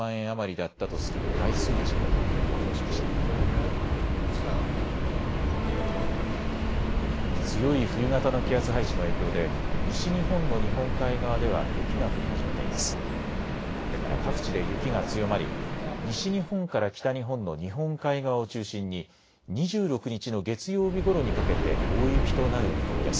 これから各地で雪が強まり西日本から北日本の日本海側を中心に２６日の月曜日ごろにかけて大雪となる見込みです。